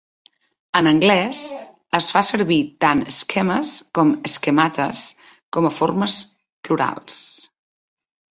En anglès es fa servir tant schemas com schematas com a formes plurals.